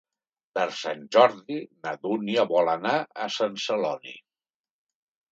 Per Sant Jordi na Dúnia vol anar a Sant Celoni.